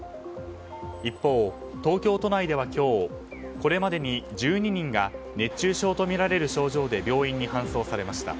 一方、東京都内では今日これまでに１２人が熱中症とみられる症状で病院に搬送されました。